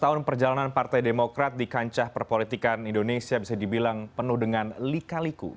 dua puluh tahun perjalanan partai demokrat di kancah perpolitikan indonesia bisa dibilang penuh dengan lika liku